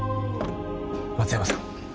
松山さん